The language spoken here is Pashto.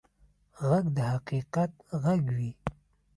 غږ د حقیقت غږ وي